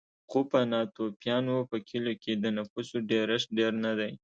خو په ناتوفیانو په کلیو کې د نفوسو ډېرښت ډېر نه دی